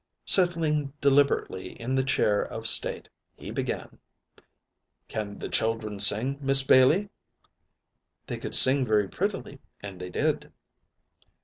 Settling deliberately in the chair of state, he began: "Can the children sing, Miss Bailey?" They could sing very prettily and they did.